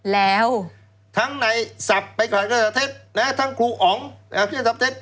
แล้วทั้งในศัพท์ไปผ่านเครื่องจับเท็จทั้งครูอ๋องไปผ่านเครื่องจับเท็จ